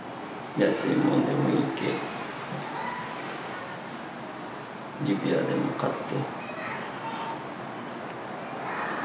安いものでもいいけ、指輪でも買って。